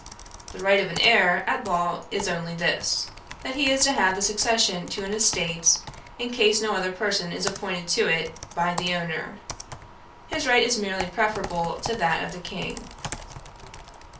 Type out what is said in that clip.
The right of an heir at law is only this, that he is to have the succession to an estate, in case no other person is appointed to it by the owner. His right is merely preferable to that of the King.'